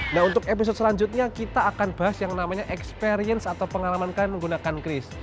nah untuk episode selanjutnya kita akan bahas yang namanya experience atau pengalaman kalian menggunakan kris